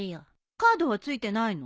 カードは付いてないの？